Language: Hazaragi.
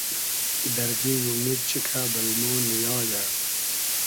دئرگݷ اومید چیکۂ بئل مۉ نییایۂ